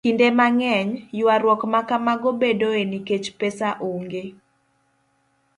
Kinde mang'eny, ywaruok ma kamago bedoe nikech pesa onge,